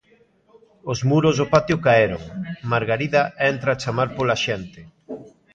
Os muros do patio caeron, Margarida entra a chamar pola xente.